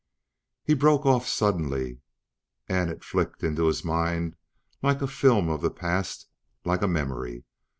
He broke off suddenly and it flicked into his mind like a film of the past, like a memory.